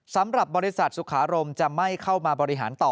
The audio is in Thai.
สำหรับบริษัทสุขารมจะไม่เข้ามาบริหารต่อ